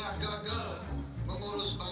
silahkan tanya ya